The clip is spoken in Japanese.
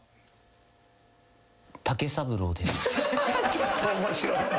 ちょっと面白い。